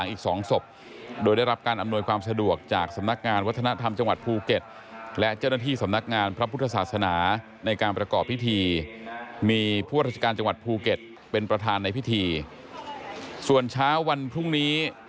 มีผู้ราชการจังหวัดภูเก็ตเป็นประธานในพิธีส่วนเช้าวันพรุ่งนี้